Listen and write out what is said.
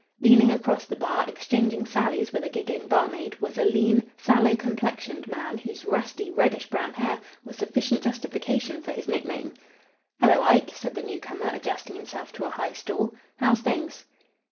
Leaning across the bar, exchanging sallies with a giggling barmaid, was a lean, sallow complexioned man, whose rusty, reddish brown hair was sufficient justification for his nickname. "Hello, Ike," said the newcomer, adjusting himself to a high stool. "How's things?"